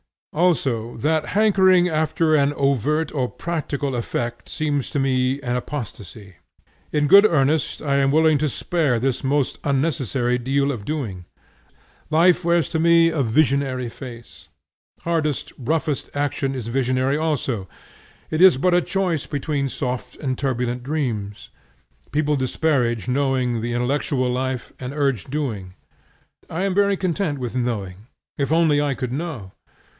Also that hankering after an overt or practical effect seems to me an apostasy. In good earnest I am willing to spare this most unnecessary deal of doing. Life wears to me a visionary face. Hardest roughest action is visionary also. It is but a choice between soft and turbulent dreams. People disparage knowing and the intellectual life, and urge doing. I am very content with knowing, if only I could know.